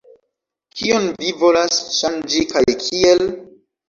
Kion vi volas ŝanĝi kaj kiel?